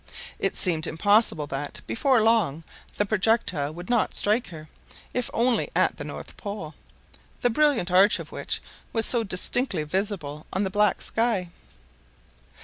It seemed impossible that, before long, the projectile would not strike her, if only at the north pole, the brilliant arch of which was so distinctly visible on the black sky.